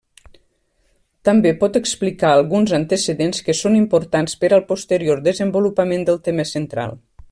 També pot explicar alguns antecedents que són importants per al posterior desenvolupament del tema central.